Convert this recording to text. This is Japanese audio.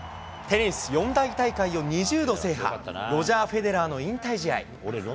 テニス四大大会を２０度制覇、ロジャー・フェデラーの引退試合。